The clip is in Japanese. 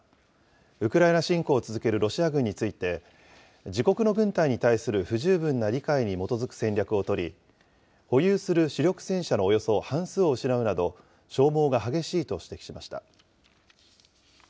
ウクライナ侵攻を続けるロシア軍について、自国の軍隊に対する不十分な理解に基づく戦略を取り、保有する主力戦車のおよそ半数を失うなど、消耗が激しいと指摘しました。